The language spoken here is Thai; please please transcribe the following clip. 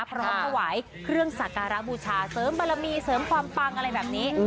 พร้อมถวายเครื่องสักการะบูชาเสริมบารมีเสริมความปังอะไรแบบนี้